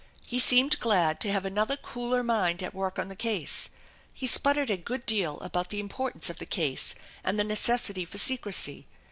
He seemed glad to have another cooler mind at work on the case. He spluttered a good deal about the im portance of the case and the necessity for secrecy.